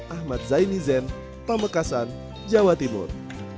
ahmad zaini zen pamekasan jawa timur